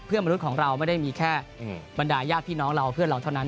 มนุษย์ของเราไม่ได้มีแค่บรรดาญาติพี่น้องเราเพื่อนเราเท่านั้น